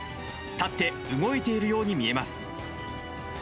立って動いているように見えます。